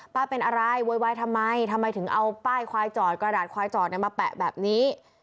เป็นอะไรโวยวายทำไมทำไมถึงเอาป้ายควายจอดกระดาษควายจอดมาแปะแบบนี้